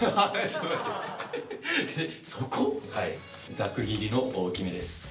ざく切りの大きめです。